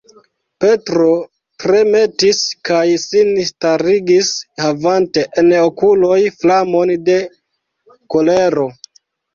Petro tremetis kaj sin starigis, havante en okuloj flamon de kolero.